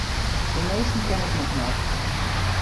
De measten ken ik noch net.